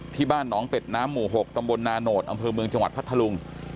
ที่บ้านหนองเป็ดน้ำหมู่๖ตำบลนาโนธอำเภอเมืองจังหวัดพัทธลุง